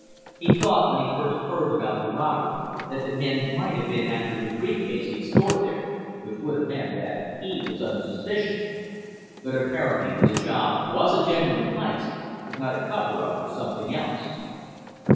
He thought when he first heard about the robbery that the men might have been after the brief case he'd stored there, which would have meant that he was under suspicion. But apparently the job was a genuine heist, not a cover up for something else.